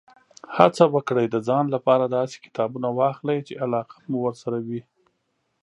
هڅه وکړئ، د ځان لپاره داسې کتابونه واخلئ، چې علاقه مو ورسره وي.